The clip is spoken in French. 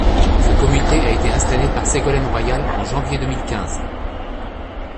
Ce comité a été installé par Ségolène Royal en janvier deux mille quinze.